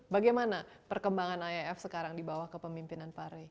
bagaimana perkembangan iif sekarang dibawa ke pemimpinan pak rey